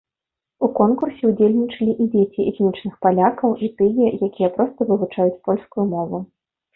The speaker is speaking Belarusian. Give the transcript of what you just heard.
У конкурсе ўдзельнічалі і дзеці этнічных палякаў, і тыя, якія проста вывучаюць польскую мову.